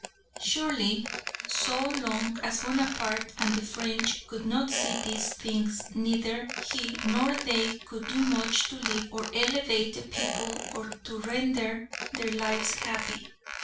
Surely so long as Bonaparte and the French could not see these things, neither he nor they could do much to lift or elevate the people or to render their lives happy!